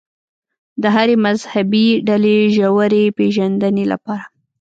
د هرې مذهبي ډلې ژورې پېژندنې لپاره.